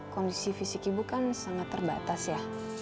kondisi fisik ibu kan sangat terbatas ya